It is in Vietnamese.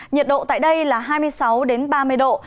nhiệt độ tại đây là hai mươi sáu ba mươi độ